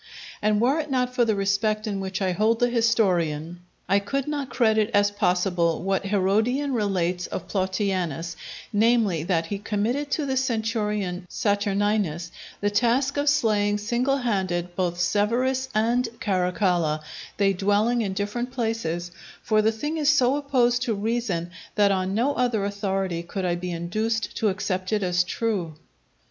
And were it not for the respect in which I hold the historian, I could not credit as possible what Herodian relates of Plautianus, namely, that he committed to the centurion Saturninus the task of slaying single handed both Severus and Caracalla, they dwelling in different places; for the thing is so opposed to reason that on no other authority could I be induced to accept it as true.